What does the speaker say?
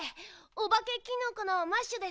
おばけキノコのマッシュです。